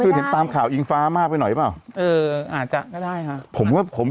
คือเห็นตามข่าวอิงฟ้ามากไปหน่อยเปล่าเอออาจจะก็ได้ค่ะผมก็ผม